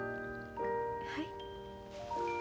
はい。